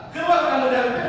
keluar kamu dari dts